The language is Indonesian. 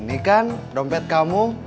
ini kan dompet kamu